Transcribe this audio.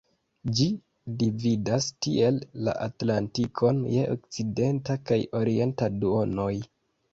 Ĝi dividas tiel la Atlantikon je okcidenta kaj orienta duonoj.